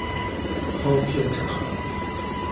Hold your tongue.